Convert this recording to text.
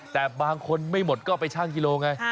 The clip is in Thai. แต่บางคนไม่หมดก็ไปชั่งกิโลไง